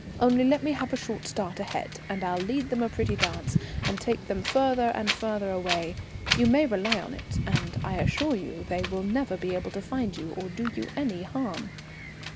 Only let me have a short start ahead and I'll lead them a pretty dance, and take them further and further away. You may rely on it, and I assure you they will never be able to find you or do you any harm."